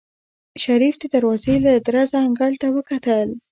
شريف د دروازې له درزه انګړ ته وکتل.